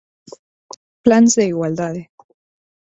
Plans de igualdade.